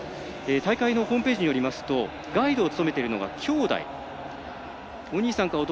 大会のホームページによりますとガイドを務めているのが兄弟。